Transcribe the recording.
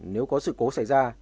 nếu có sự cố xảy ra